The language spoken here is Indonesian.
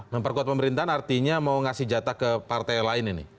memperkuat pemerintahan artinya mau ngasih jatah ke partai lain ini